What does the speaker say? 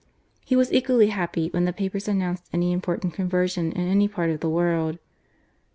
He was equally happy when the papers announced any important conversion in any part of the world.